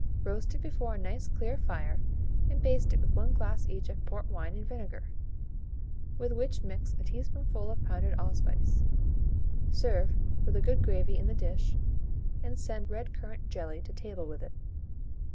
Roast it before a nice clear fire, and baste it with 1 glass each of port wine and vinegar, with which mix a teaspoonful of pounded allspice. Serve, with a good gravy in the dish, and send red currant jelly to table with it.